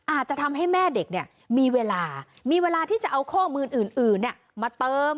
อาจจะทำให้แม่เด็กเนี่ยมีเวลามีเวลาที่จะเอาข้อมูลอื่นมาเติม